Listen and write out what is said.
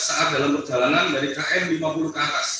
saat dalam perjalanan dari km lima puluh ke atas